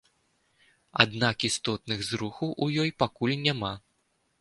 Аднак істотных зрухаў у ёй пакуль няма.